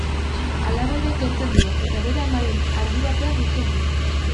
Alaba ere kentzen dio eta bere amaren ardurapean uzten du.